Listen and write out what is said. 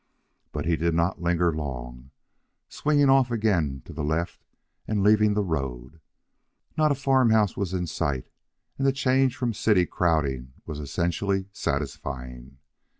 But he did not linger long, swinging off again to the left and leaving the road. Not a farm house was in sight, and the change from the city crowding was essentially satisfying.